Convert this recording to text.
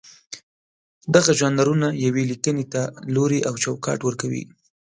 دغه ژانرونه یوې لیکنې ته لوری او چوکاټ ورکوي.